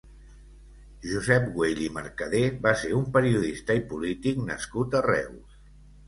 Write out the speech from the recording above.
Josep Güell i Mercader va ser un periodista i polític nascut a Reus.